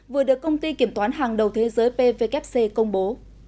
vừa được công ty kiểm toán hàng đầu thế giới pvkc công bố